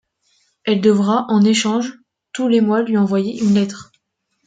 Elle devra, en échange, tous les mois lui envoyer une lettre.